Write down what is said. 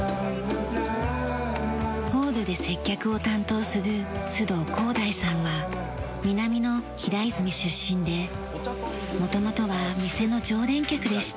ホールで接客を担当する須藤功大さんは南の平泉出身で元々は店の常連客でした。